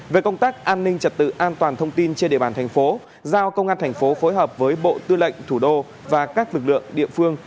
về công tác an ninh trật tự an toàn thông tin trên địa bàn thành phố giao công an thành phố phối hợp với bộ tư lệnh thủ đô và các lực lượng địa phương